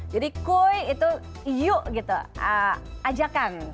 jadi kui itu yuk gitu ajakan